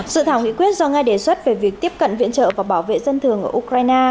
sự thảo nghị quyết do nga đề xuất về việc tiếp cận viện trợ và bảo vệ dân thường ở ukraine